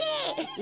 え？